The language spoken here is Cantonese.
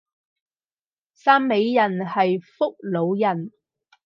汕尾人係福佬人